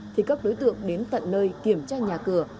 thì các đối tượng đến tận nơi kiểm tra nhà cửa